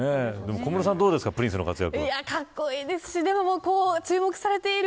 小室さん、どうですかプリンスの活躍。